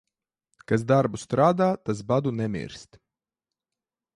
Kas darbu strādā, tas badu nemirst.